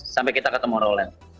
sampai kita ke tomorrowland